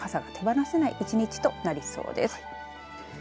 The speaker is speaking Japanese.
あすは傘が手放せない１日となりそうです。